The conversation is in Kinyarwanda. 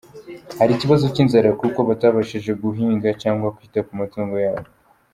Hari ikibazo cy’inzara kuko batabashije guhinga cyangwa kwita ku matungo yabo.